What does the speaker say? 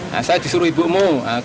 nah saya disuruh ibumu